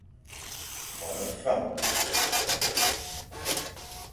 Mone Fañ,